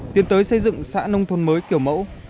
tiến tới xây dựng xã nông thôn mới kiểu mẫu